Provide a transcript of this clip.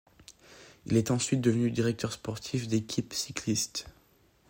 Il est ensuite devenu directeur sportif d'équipes cyclistes.